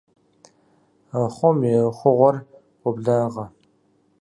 Ахъом и хъугъуэр къоблагъэ.